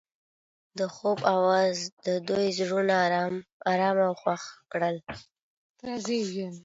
د خوب اواز د دوی زړونه ارامه او خوښ کړل.